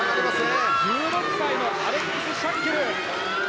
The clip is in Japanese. アメリカは１６歳のアレックス・シャッケル。